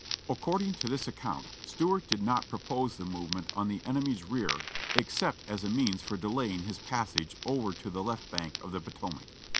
According to this ac count, Stuart did not propose the movement on the enemy's rear except as a means for delaying his passage over to the left bank of the Potomac.